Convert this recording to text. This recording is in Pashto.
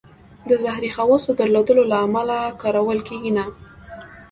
د زهري خواصو درلودلو له امله کارول کېږي نه.